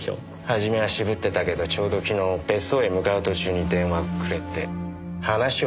初めは渋ってたけどちょうど昨日別荘へ向かう途中に電話くれて話を聞かせてくれって。